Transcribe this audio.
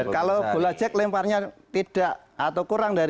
kalau bola jack lemparnya tidak atau kurang dari